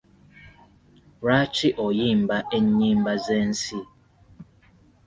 Lwaki oyimba ennyimba z'ensi?